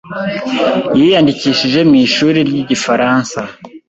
yiyandikishije mu ishuri ryigifaransa.